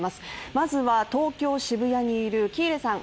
まずは東京・渋谷にいる喜入さん